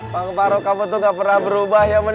bang farung kamu tuh enggak pernah berubah ya men